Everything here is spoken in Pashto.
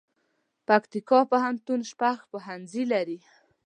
پکتیکا پوهنتون شپږ پوهنځي لري